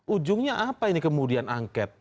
ujungnya apa ini kemudian angket